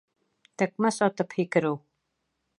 Тәкмәс атып һикереү